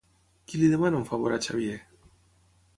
Qui li demana un favor a Xavier?